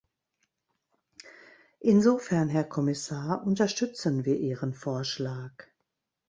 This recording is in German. Insofern, Herr Kommissar, unterstützen wir Ihren Vorschlag.